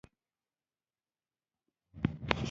لاسونه له طبیعته الهام اخلي